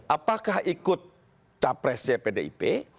apakah ikut capresnya pdip